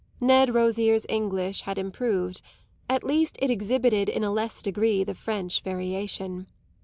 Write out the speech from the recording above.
Ned Rosier's English had improved; at least it exhibited in a less degree the French variation.